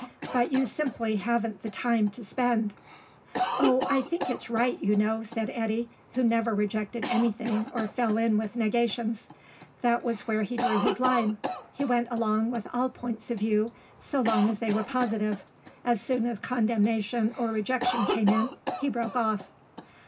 But you simply haven't the time to spend." "Oh, I think it's right, you know," said Eddy, who never rejected anything or fell in with negations. That was where he drew his line he went along with all points of view so long as they were positive: as soon as condemnation or rejection came in, he broke off.